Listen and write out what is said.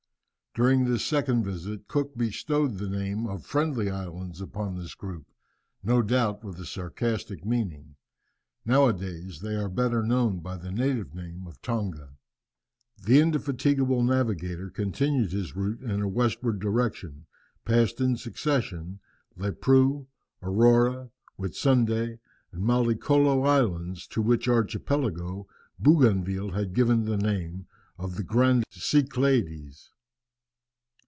During this second visit Cook bestowed the name of Friendly Islands upon this group, no doubt with a sarcastic meaning. Now a days they are better known by the native name of Tonga. The indefatigable navigator continued his route in a westward direction, passed in succession Lepreux, Aurora, Whitsunday and Mallicolo Islands, to which archipelago Bougainville had given the name of the Grandes Cyclades.